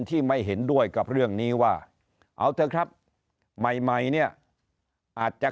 ไม่เห็นด้วยกับเรื่องนี้ว่าเอาเถอะครับใหม่ใหม่เนี่ยอาจจะ